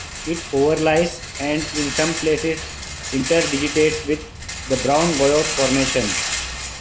It overlies, and in some places interdigitates with, the Barun Goyot Formation.